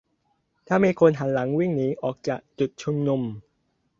ถ้ามีคนหันหลังวิ่งหนีออกจากจุดชุมนุม